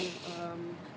nanti aja di sana